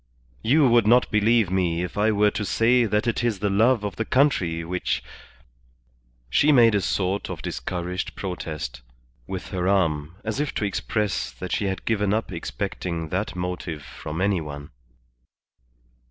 "You would not believe me if I were to say that it is the love of the country which " She made a sort of discouraged protest with her arm, as if to express that she had given up expecting that motive from any one.